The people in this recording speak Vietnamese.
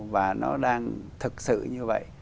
và nó đang thực sự như vậy